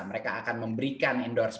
mereka akan memberikan endorsement